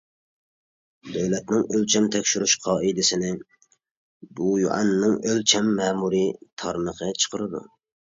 دۆلەتنىڭ ئۆلچەم تەكشۈرۈش قائىدىسىنى گوۋۇيۈەننىڭ ئۆلچەم مەمۇرىي تارمىقى چىقىرىدۇ.